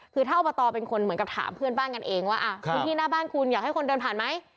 คือถ้าอบตเป็นคนเหมือนกับถามเพื่อนบ้านกันเองว่าพื้นที่หน้าบ้านคุณอยากให้คนเดินผ่านไหม